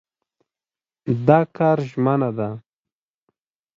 دا کار ژمنه ده.